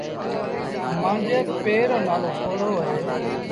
مآݩجي پي رو نآلو پوهوڙو اهي۔